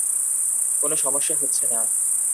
কোনো সমস্যা হচ্ছে না।